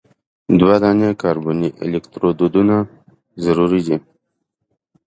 دوه دانې کاربني الکترودونه ضروري دي.